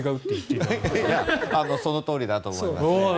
それはそのとおりだと思います。